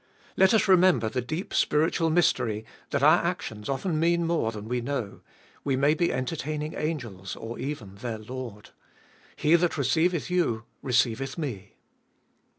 Let us remember the deep spiritual mystery, that our actions often mean more than we know ; we may be entertaining angels, or even their Lord : He that receiveth you, receiveth Me.